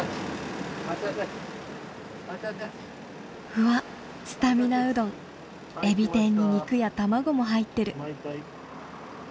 うわっスタミナうどんエビ天に肉や卵も入ってる。